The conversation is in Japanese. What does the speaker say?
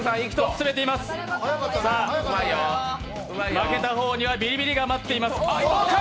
負けた方にはビリビリが待ってます。